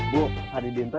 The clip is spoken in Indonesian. bu adi binta